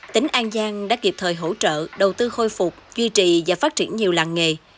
tỉnh an giang đã kịp thời hỗ trợ đầu tư khôi phục duy trì và phát triển nhiều làng nghề